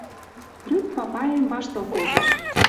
Трӱк папаэм ваштыл колтыш: